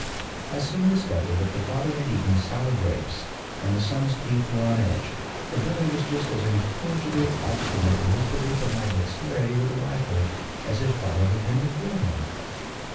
I soon discovered that the father had eaten sour grapes, and the son's teeth were on edge; for Billy was just as incorrigibly obstinate in his belief of my dexterity with a rifle as his father had been before him.